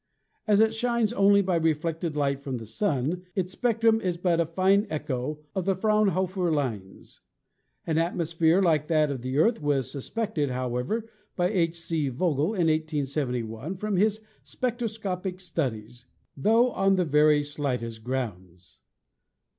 As it shines only by reflected light from the Sun, its spectrum is but a fine echo of the Fraunhofer lines. An atmosphere like that of the Earth was sus pected, however, by H. C. Vogel in 1871 from his spec troscopic studies, tho on the very slightest grounds.